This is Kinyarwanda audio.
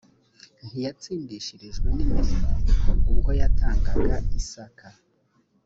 ntiyatsindishirijwe n imirimo ubwo yatangaga isaka